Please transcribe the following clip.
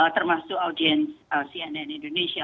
termasuk audiens cnn indonesia